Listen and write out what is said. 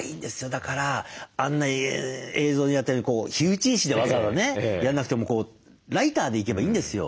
だからあんな映像でやったように火打ち石でわざわざねやんなくてもこうライターでいけばいいんですよ。